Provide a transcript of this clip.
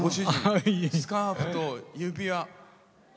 スカーフと指輪。